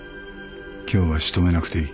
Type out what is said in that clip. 今日は仕留めなくていい。